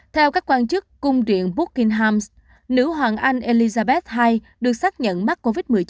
theo các quan chức cung điện buckingham nữ hoàng anh elizabeth ii được xác nhận mắc covid một mươi chín